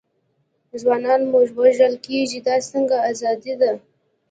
ځوانان مو وژل کېږي، دا څنګه ازادي ده.